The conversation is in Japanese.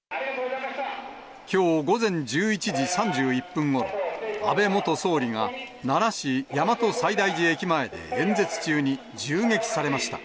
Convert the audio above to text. きょう午前１１時３１分ごろ、安倍元総理が、奈良市大和西大寺駅前で演説中に銃撃されました。